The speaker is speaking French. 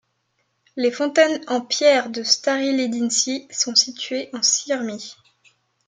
Les fontaines en pierre de Stari Ledinci sont situées en Syrmie.